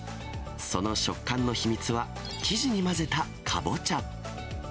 その食感の秘密は、生地に混ぜたかぼちゃ。